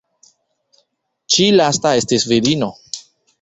Ĉi lasta estis virino.